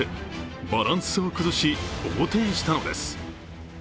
バランスを崩し、横転したのです。